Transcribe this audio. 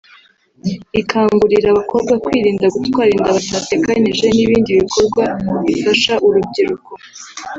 ikangurira abakobwa kwirinda gutwara inda batateganyije n’ibindi bikorwa bifasha urubyiruko